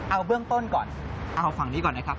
เอาเบื้องต้นก่อนเอาฝั่งนี้ก่อนนะครับ